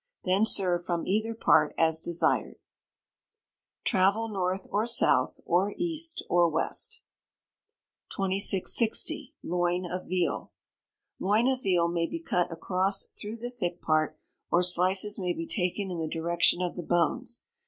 Then serve from either part as desired. [TRAVEL NORTH, OR SOUTH, OR EAST, OR WEST...] 2660. Loin of Veal. Loin of veal may be cut across through the thick part; or slices may be taken in the direction of the bones.